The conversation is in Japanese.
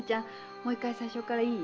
もう一回最初からいい？